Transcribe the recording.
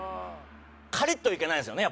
カリッといけないんですよね